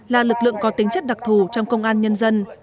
là lực lượng có tính chất đặc thù trong công an nhân dân